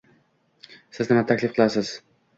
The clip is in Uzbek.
Siz nimani taklif qilasiz